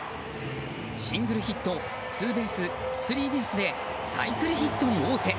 シングルヒット、ツーベーススリーベースでサイクルヒットに王手。